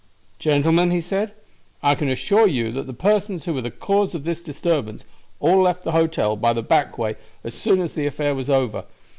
"Gentlemen," he said, "I can assure you that the persons who were the cause of this disturbance all left the hotel by the back way as soon as the affair was over.